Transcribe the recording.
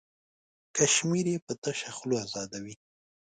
کشمیر یې په تشه خوله ازادوي.